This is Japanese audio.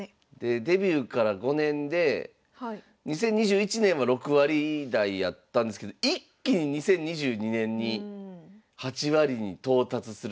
デビューから５年で２０２１年は６割台やったんですけど一気に２０２２年に８割に到達するという。